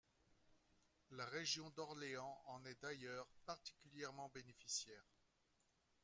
La région d’Orléans en est d’ailleurs particulièrement bénéficiaire.